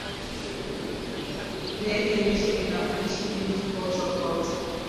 Viazi lishe vina mapishi mengi tofauti tofauti